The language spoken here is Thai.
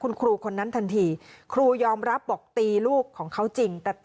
คุณครูคนนั้นทันทีครูยอมรับบอกตีลูกของเขาจริงแต่